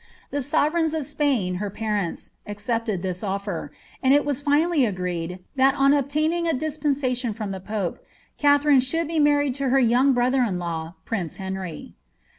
The sovereigns of Spain, her parents, accepted this o^r ; and it was finally agreed, that, on obtaining a dispensation from the pope, Katha rine should be married to her young brothei^in law, prince Henry.